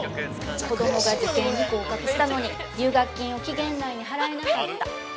子供が受験に合格したのに、入学金を期限内に払えなかった。